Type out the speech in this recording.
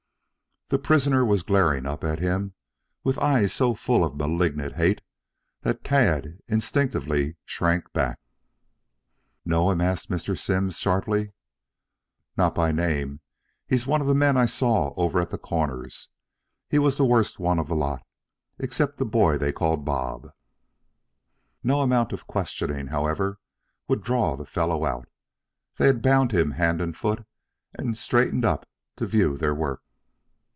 The prisoner was glaring up at him with eyes so full of malignant hate that Tad instinctively shrank back. "Know him!" asked Mr. Simms sharply. "Not by name. He's one of the men I saw over at the Corners. He was the worst one of the lot, except the boy they called Bob." No amount of questioning, however, would draw the fellow out. They had bound him hand and foot and straightened up to view their work.